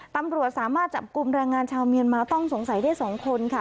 ตำรวจสามารถจับกลุ่มแรงงานชาวเมียนมาต้องสงสัยได้๒คนค่ะ